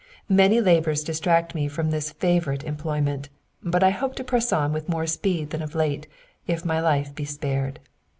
Many labours distract me from this favourite em plojnnent, but I hope to press on with more speed than of late, if my life be spared.